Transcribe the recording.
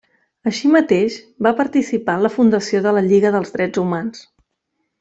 Així mateix, va participar en la fundació de la Lliga dels Drets humans.